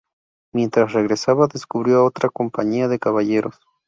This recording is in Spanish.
Mientras regresaba, descubrió a otra compañía de Caballeros.